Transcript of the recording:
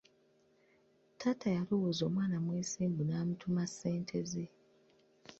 Taata yalowooza omwana mwesimbu n'amutuma ssente ze.